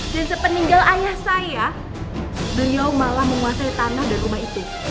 dan sepeninggal ayah saya beliau malah menguasai tanah dan rumah itu